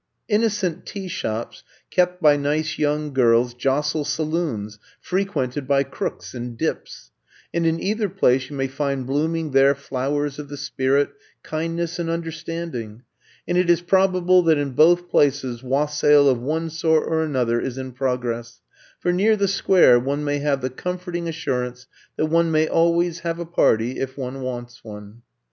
Innocent tea shops, kept by nice young girls, jostle saloons frequented by crooks and dips, and in either place, you may find blooming there flowers of the spirit, kind ness and understanding — and it is prob able that in both places Wassail of one sort or another is in progress, for near the Square one may have the comforting as surance that one may always have a party if one wants one.